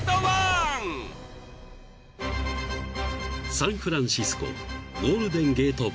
［サンフランシスコ］